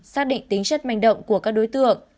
xác định tính chất manh động của các đối tượng